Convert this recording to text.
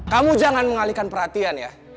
kamu jangan mengalihkan perhatian ya